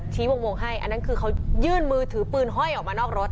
วงให้อันนั้นคือเขายื่นมือถือปืนห้อยออกมานอกรถ